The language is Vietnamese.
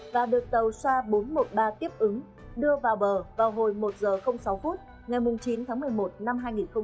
và được tàu sa bốn trăm một mươi ba tiếp ứng đưa vào bờ vào hồi một giờ sáu phút ngày chín tháng một mươi một năm hai nghìn hai mươi